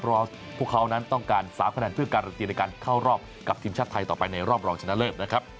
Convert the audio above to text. เพราะว่าพวกเขานั้นต้องการ๓คะแนนเพื่อการันตีในการเข้ารอบกับทีมชาติไทยต่อไปในรอบรองชนะเลิศนะครับ